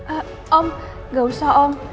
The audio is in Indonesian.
eh om gak usah om